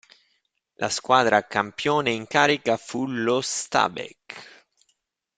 La squadra campione in carica fu lo Stabæk.